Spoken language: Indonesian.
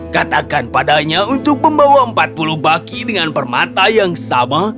katakan padanya untuk membawa empat puluh baki dengan permata yang sama